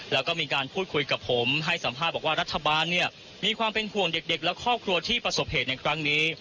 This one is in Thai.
แล้วก็มีการพูดคุยกับผมให้สัมภาษณ์บอกว่ารัฐบาลเนี่ยมีความเป็นห่วงเด็กและครอบครัวที่ประสบเหตุในครั้งนี้